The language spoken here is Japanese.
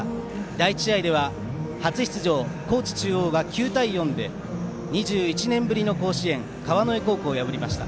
第１試合では初出場の高知中央が９対４で、２１年ぶりの甲子園川之江高校を破りました。